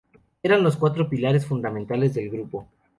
Eran los cuatro pilares fundamentales del grupo.